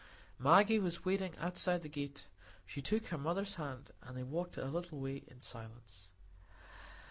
Maggie was waiting outside the gate; she took her mother's hand and they walked a little way in silence.